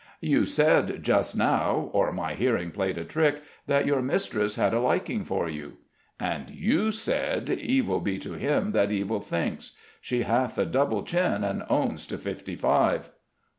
"You said just now or my hearing played a trick that your mistress had a liking for you." "And you said, 'Evil be to him that evil thinks.' She hath a double chin, and owns to fifty five."